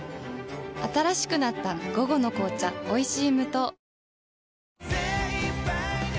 新しくなった「午後の紅茶おいしい無糖」